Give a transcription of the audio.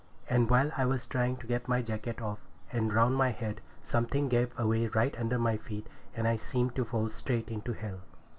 And while I was trying to get my jacket off and round my head, something gave way right under my feet, and I seemed to fall straight into hell!